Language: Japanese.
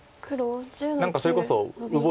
何かそれこそ呉